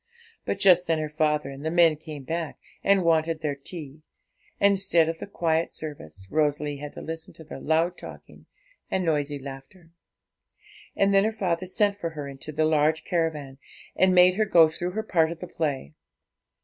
But just then her father and the men came back and wanted their tea; and, instead of the quiet service, Rosalie had to listen to their loud talking and noisy laughter. And then her father sent for her into the large caravan, and made her go through her part of the play.